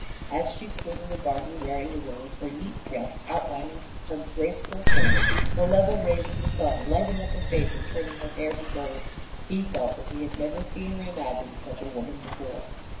As she stood in the garden, wearing the rose, her neat dress outlining her graceful form, the level rays of the sun lighting up her face and turning her hair to gold, he felt that he had never seen or imagined such a woman before.